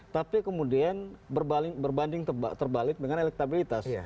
tapi kemudian berbanding terbalik dengan elektabilitas